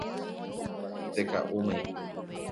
Ndeka'úmaiko.